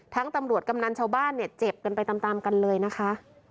ตำรวจกำนันชาวบ้านเนี่ยเจ็บกันไปตามกันเลยนะคะ